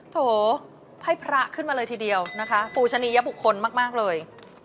โถให้พระขึ้นมาเลยทีเดียวนะคะปูชนียบุคคลมากเลย